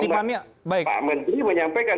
jadi pak menteri menyampaikan